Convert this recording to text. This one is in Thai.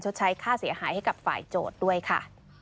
ใช้ค่าเสียหายให้กับฝ่ายโจทย์ด้วยค่ะ